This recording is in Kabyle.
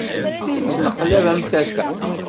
La ittneqlab am tata.